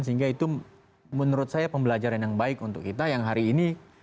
sehingga itu menurut saya pembelajaran yang baik untuk kita yang hari ini